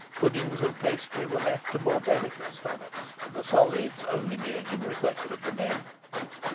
Puddings and pastry were left to more delicate stomachs the solids only being in request with the men.